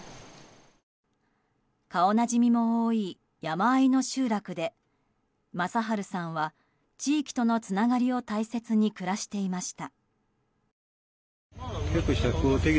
顔なじみも多い山あいの集落で正春さんは地域とのつながりを大切に暮らしていました。